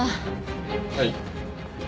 はい。